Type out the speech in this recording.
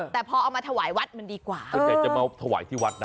แต่พอเอามาถวายวัดมันดีกว่าส่วนใหญ่จะมาถวายที่วัดนะ